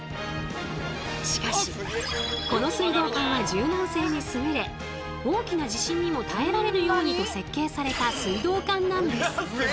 しかしこの水道管は柔軟性に優れ大きな地震にも耐えられるようにと設計された水道管なんです。